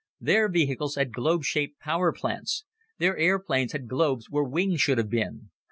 Their vehicles had globe shaped power plants. Their airplanes had globes where wings should have been.